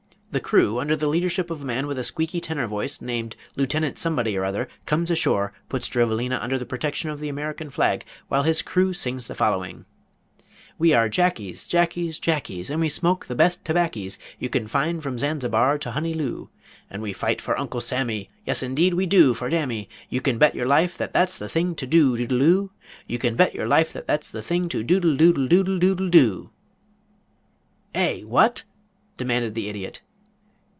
The crew under the leadership of a man with a squeaky tenor voice named Lieutenant Somebody or other comes ashore, puts Drivelina under the protection of the American flag while his crew sings the following: "We are Jackies, Jackies, Jackies, And we smoke the best tobaccys You can find from Zanzibar to Honeyloo. And we fight for Uncle Sammy, Yes indeed we do, for damme You can bet your life that that's the thing to do doodle do! You can bet your life that that's the thing to doodle doodle doodle doodle do. "Eh! What?" demanded the Idiot.